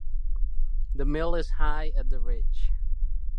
The mill is high at the ridge.